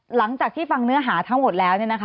หลังจากที่ฟังเนื้อหาทั้งหมดแล้ว